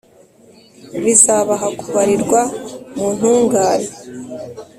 bizabaha kubarirwa mu ntungane,